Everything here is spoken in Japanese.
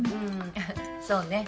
そうね。